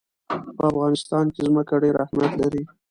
په افغانستان کې ځمکه ډېر اهمیت لري.